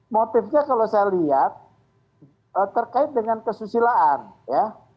motifnya kalau saya lihat terkait dengan kesusilaan ya